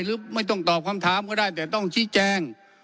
หรือไม่ต้องตอบคำถามก็ได้แต่ต้องชี้แจง